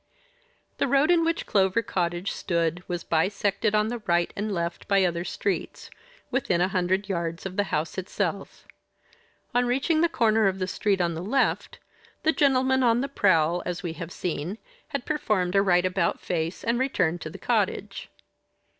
The road in which Clover Cottage stood was bisected on the right and left by other streets, within a hundred yards of the house itself. On reaching the corner of the street on the left, the gentleman on the prowl, as we have seen, had performed a right about face, and returned to the cottage.